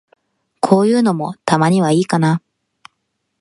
こういうのも、たまにはいいかな。